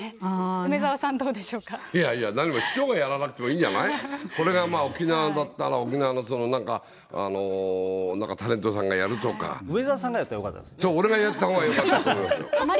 梅沢さん、いやいや、何も市長がやらなくてもいいんじゃない？これが沖縄だったら、沖縄のなん梅沢さんがやったらよかったそう、俺がやったほうがよかったと思いますよ。